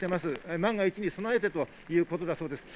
万が一に備えてということだそうです。